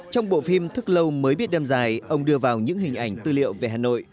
trong bộ phim thức lâu mới biết đem dài ông đưa vào những hình ảnh tư liệu về hà nội